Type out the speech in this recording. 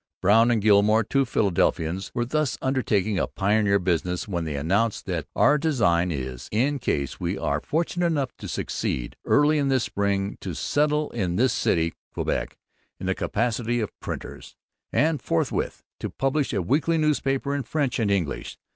Brown and Gilmore, two Philadelphians, were thus undertaking a pioneer business when they announced that 'Our Design is, in case we are fortunate enough to succeed, early in this spring to settle in this City [Quebec] in the capacity of Printers, and forthwith to publish a weekly newspaper in French and English.'